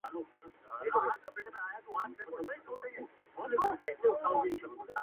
سپیني خولې دي مزه راکړه داسي ټک دي سو د شونډو.!